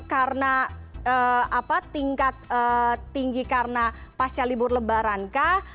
karena tingkat tinggi karena pasca libur lebaran kah